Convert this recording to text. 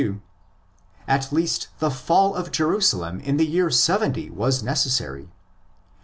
22), at least the fall of Jerusalem in the year 70 was necessary.